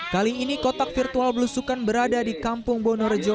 kali ini kotak virtual belusukan berada di kampung bonorejo